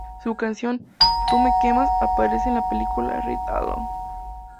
Su canción "Tú Me Quemas" aparece en la película Ride Along.